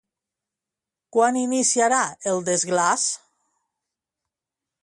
Quan iniciarà el desglaç?